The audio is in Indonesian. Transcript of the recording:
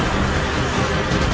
aku akan menang